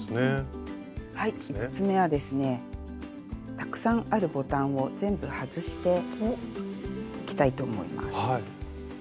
たくさんあるボタンを全部外していきたいと思います。